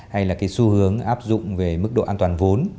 hay là cái xu hướng áp dụng về mức độ an toàn vốn